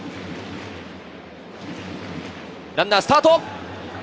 ランナースタート！